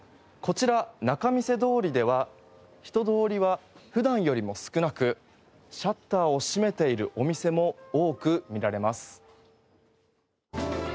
こちら仲見世通りでは人通りは普段よりも少なくシャッターを閉めているお店も多く見られます。